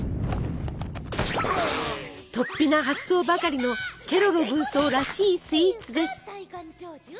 とっぴな発想ばかりのケロロ軍曹らしいスイーツです。